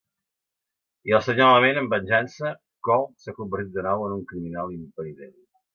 (...) i al Sr. Element en venjança, Cold s'ha convertit de nou en un criminal impenitent.